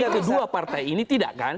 tapi itu dua partai ini tidak kan